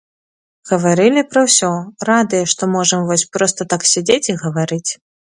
Гаварылі пра ўсё, радыя, што можам вось проста так сядзець і гаварыць.